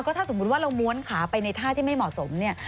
ถ้าสมมุติว่าเราม้วนขาไปในท่าที่ไม่เหมาะสมเนี่ย